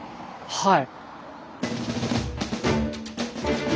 はい。